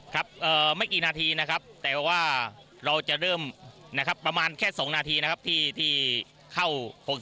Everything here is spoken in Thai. ครับไม่กี่นาทีนะครับแต่ว่าเราจะเริ่มนะครับประมาณแค่๒นาทีนะครับที่เข้า๖๓